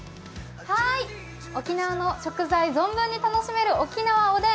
沖縄の食材、存分に楽しめる沖縄おでん。